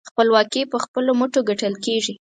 خپلواکي په خپلو مټو ګټل کېږي.